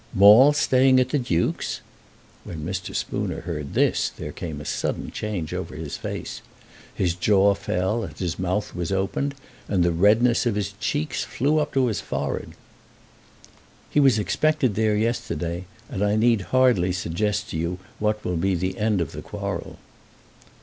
"Maule staying at the Duke's!" When Mr. Spooner heard this there came a sudden change over his face. His jaw fell, and his mouth was opened, and the redness of his cheeks flew up to his forehead. "He was expected there yesterday, and I need hardly suggest to you what will be the end of the quarrel."